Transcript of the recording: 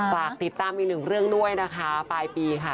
ฝากติดตามอีกหนึ่งเรื่องด้วยนะคะปลายปีค่ะ